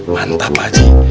mantap pak aji